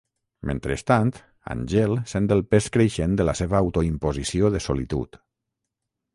Mentrestant, Angel sent el pes creixent de la seva autoimposició de solitud.